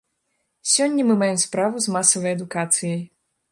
Сёння мы маем справу з масавай адукацыяй.